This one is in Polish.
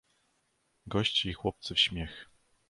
"Goście i chłopcy w śmiech."